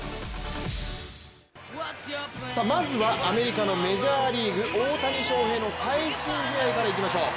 まずはアメリカのメジャーリーグ大谷翔平の最新試合からいきましょう。